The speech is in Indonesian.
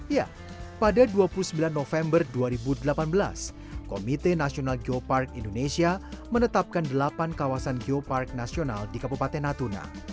ya pada dua puluh sembilan november dua ribu delapan belas komite nasional geopark indonesia menetapkan delapan kawasan geopark nasional di kabupaten natuna